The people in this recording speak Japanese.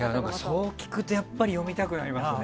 そう聞くとやっぱり読みたくなりますね。